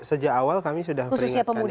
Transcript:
sejak awal kami sudah peringatkan